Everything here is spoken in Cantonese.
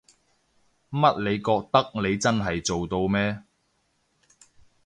乜你覺得你真係做到咩？